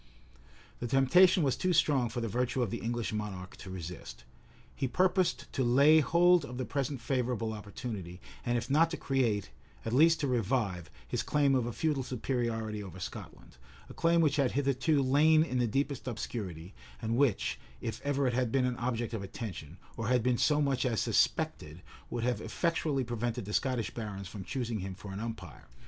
The temptation was too strong for the virtue of the English monarch to resist. He purposed to lay hold of the present favorable opportunity, and if not to create, at least to revive, his claim of a feudal superiority over Scotland; a claim which had hitherto lain in the deepest obscurity, and which, if ever it had been an object of attention, or had been so much as suspected, would have effectually prevented the Scottish barons from choosing him for an umpire.